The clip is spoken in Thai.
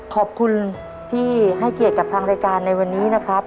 ขอบคุณที่ให้เกียรติกับทางรายการในวันนี้นะครับ